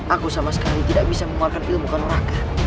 aku sama sekali tidak bisa memuatkan ilmu kanon raka